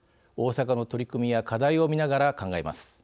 大阪の取り組みや課題を見ながら考えます。